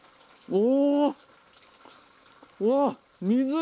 お！